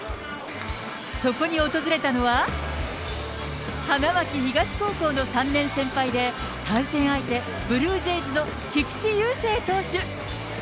そこに訪れたのは、花巻東高校の３年先輩で、対戦相手、ブルージェイズの菊池雄星投手。